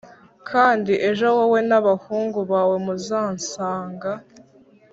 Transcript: kandi ejo wowe n’abahungu bawe muzansanga